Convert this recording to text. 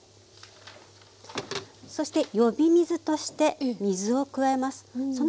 そして呼び水として水を加えます。